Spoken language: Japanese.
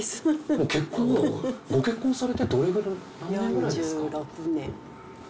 ご結婚されてどれくらい何年くらいですか？